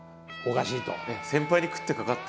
先輩に食ってかかって。